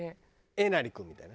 えなり君みたいな？